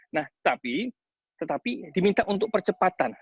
nah tetapi diminta untuk percepatan